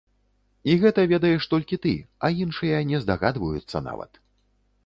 І гэта ведаеш толькі ты, а іншыя не здагадваюцца нават.